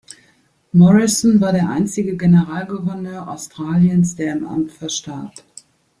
Morrison war der einzige Generalgouverneur Australiens, der im Amt verstarb.